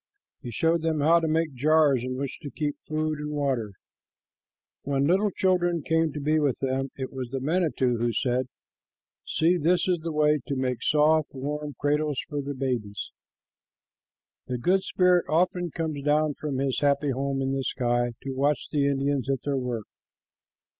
He showed them how to make jars in which to keep food and water. When little children came to be with them, it was the manito who said, "See, this is the way to make soft, warm cradles for the babies." The good spirit often comes down from his happy home in the sky to watch the Indians at their work.